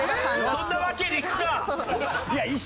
そんなわけにいくか！